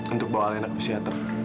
untuk bawa alena ke pesiater